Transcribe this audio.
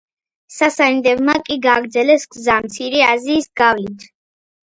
სასანიდებმა კი გააგრძელეს გზა მცირე აზიის გავლით.